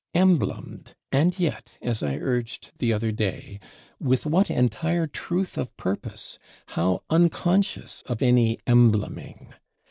Emblemed: and yet, as I urged the other day, with what entire truth of purpose; how unconscious of any embleming!